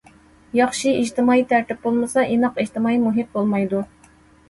ياخشى ئىجتىمائىي تەرتىپ بولمىسا، ئىناق ئىجتىمائىي مۇھىت بولمايدۇ.